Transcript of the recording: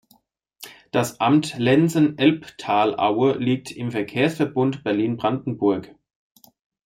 Das Amt Lenzen-Elbtalaue liegt im Verkehrsverbund Berlin-Brandenburg.